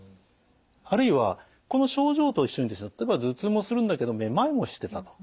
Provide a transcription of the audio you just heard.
あるいはこの症状と一緒に例えば頭痛もするんだけどめまいもしてたと。